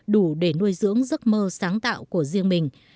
đủ để nuôi dưỡng giấc mơ sáng tạo của riêng mình